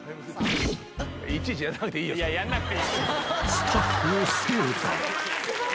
スタッフを成敗。